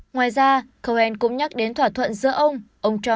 ngoài ra cohen cũng nhắc đến thỏa thuận giữa ông